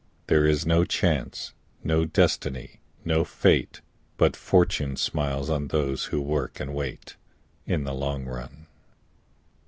There is no Chance, no Destiny, no Fate, But Fortune smiles on those who work and wait, In the long run.